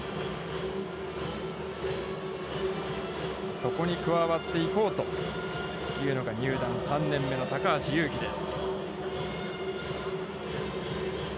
そこに加わっていこうというのが入団３年目の高橋優貴です。